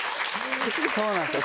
そうなんですよ